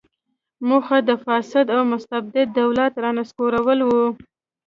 موخه یې د فاسد او مستبد دولت رانسکورول و.